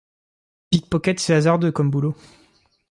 Pickpocket c’est hasardeux, comme boulot.